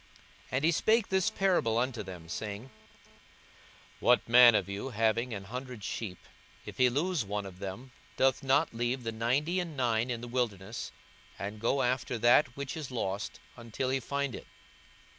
42:015:003 And he spake this parable unto them, saying, 42:015:004 What man of you, having an hundred sheep, if he lose one of them, doth not leave the ninety and nine in the wilderness, and go after that which is lost, until he find it?